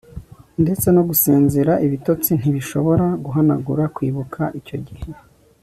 ndetse no gusinzira ibitotsi ntibishobora guhanagura kwibuka icyo gihe